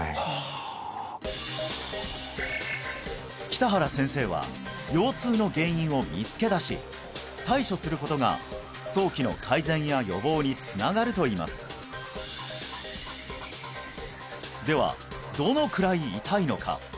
北原先生は腰痛の原因を見つけ出し対処することが早期の改善や予防につながるといいますではどのくらい痛いのか？